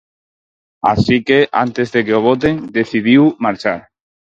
Así que, antes de que o boten, decidiu marchar.